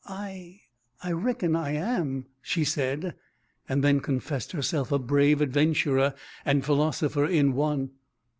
"I I reckon I am," she said, and then confessed herself a brave adventurer and philosopher in one.